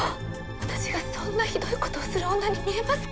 私がそんなひどいことをする女に見えますか？